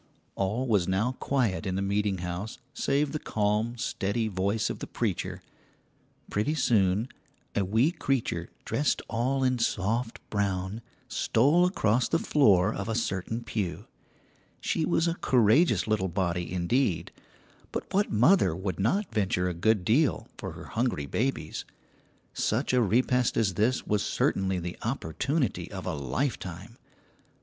All was now quiet in the meeting house save the calm, steady voice of the preacher. Pretty soon a wee creature dressed all in soft brown stole across the floor of a certain pew. She was a courageous little body indeed, but what mother would not venture a good deal for her hungry babies? Such a repast as this was certainly the opportunity of a lifetime.